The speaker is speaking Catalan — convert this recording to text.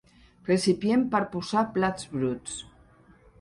Recipient per posar plats bruts.